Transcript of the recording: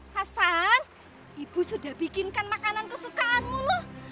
hasan ibu sudah bikinkan makanan kesukaanmu loh